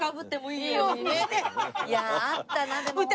いやあったなでもホント。